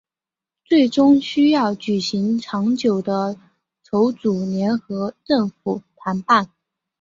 最终需要举行长久的筹组联合政府谈判。